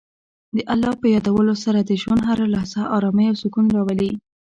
د الله په یادولو سره د ژوند هره لحظه ارامۍ او سکون راولي.